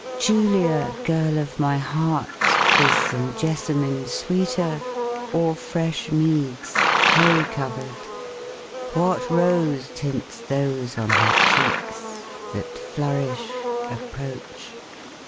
" Julia, girl of my heart, is than jessamine sweeter, or fresh meads Hay cover'd ; what rose tints those on her cheeks, that flourish, Approach